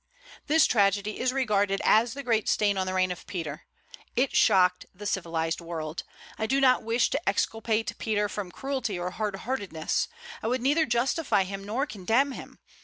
This tragedy is regarded as the great stain on the reign of Peter. It shocked the civilized world. I do not wish to exculpate Peter from cruelty or hardheartedness; I would neither justify him nor condemn him.